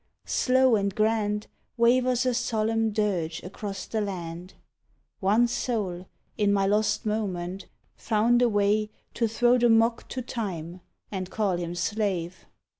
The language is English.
Slow and grand Wavers a solemn dirge across the land, One soul, in my lost moment, found a way To throw the mock to Time, and call him slave.